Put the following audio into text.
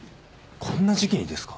こんな時期にですか？